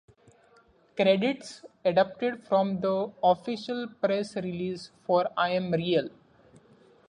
Credits adapted from the official press release for "I Am Real".